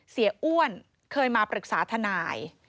อ้วนเคยมาปรึกษาทนาย